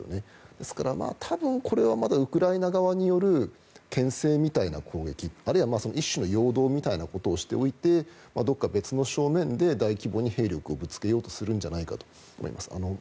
ですから、多分、これはまだウクライナ側によるけん制みたいな攻撃あるいは一種の陽動みたいなことをしておいてどこか別の正面で大規模に兵力をぶつけようとするんじゃないかと。